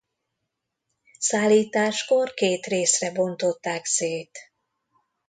Szállításkor két részre bontották szét.